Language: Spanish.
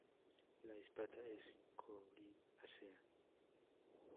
La espata es coriácea.